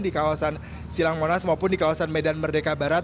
di kawasan silang monas maupun di kawasan medan merdeka barat